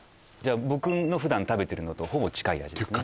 僕の普段食べてるのとほぼ近い味ですね